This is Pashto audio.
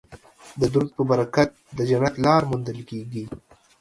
د درود په برکت د جنت لاره موندل کیږي